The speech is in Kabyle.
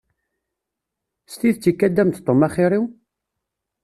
S tidet ikad-am-d Tom axir-iw?